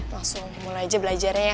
langsung mulai aja belajarnya